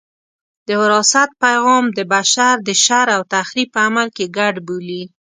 د وراثت پیغام د بشر د شر او تخریب په عمل کې ګډ بولي.